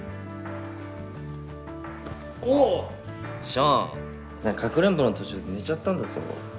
ショーンかくれんぼの途中で寝ちゃったんだぞ。